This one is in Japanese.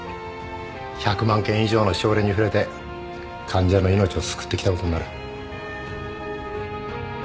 １００万件以上の症例に触れて患者の命を救ってきたことになる。